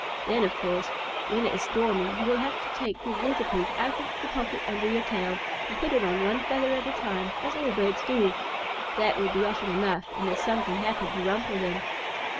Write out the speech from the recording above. Then, of course, when it is stormy, you will have to take your waterproof out of the pocket under your tail, and put it on one feather at a time, as all birds do. That would be often enough unless something happened to rumple them."